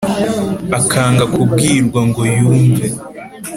akanga kubwirwa ngo yumve.